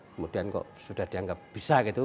kemudian kok sudah dianggap bisa gitu